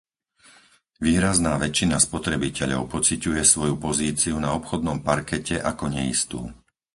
Výrazná väčšina spotrebiteľov pociťuje svoju pozíciu na obchodnom parkete ako neistú.